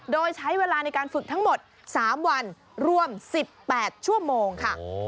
โดยใช้เวลาในการฝึกทั้งหมด๓วันรวม๑๘ชั่วโมงค่ะ